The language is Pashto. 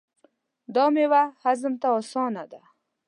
دا میوه هضم ته اسانه ده.